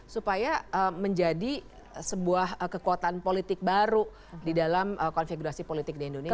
supaya menjadi sebuah kekuatan politik baru di dalam konfigurasi politik di indonesia